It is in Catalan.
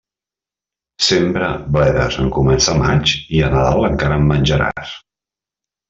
Sembra bledes en començar maig, i a Nadal encara en menjaràs.